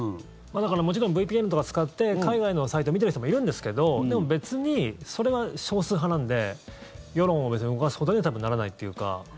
もちろんＶＰＮとか使って海外のサイト見てる人もいるんですけどでも別にそれは少数派なので世論を動かすことにはああ、そうか。